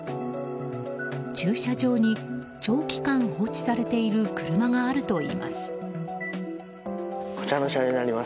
駐車場に長期間放置されている車があるといいます。